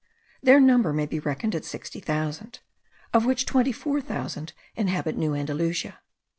Their number may be reckoned at sixty thousand; of which twenty four thousand inhabit New Andalusia.